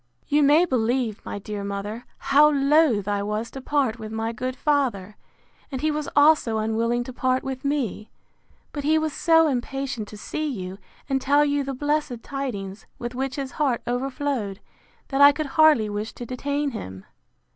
You may believe, my dear mother, how loath I was to part with my good father; and he was also unwilling to part with me; but he was so impatient to see you, and tell you the blessed tidings, with which his heart overflowed, that I could hardly wish to detain him.